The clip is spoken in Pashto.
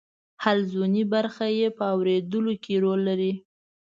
حلزوني برخه یې په اوریدلو کې رول لري.